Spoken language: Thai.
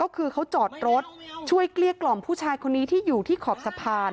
คือเขาจอดรถช่วยเกลี้ยกล่อมผู้ชายคนนี้ที่อยู่ที่ขอบสะพาน